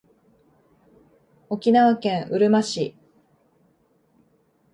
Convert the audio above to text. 沖縄県うるま市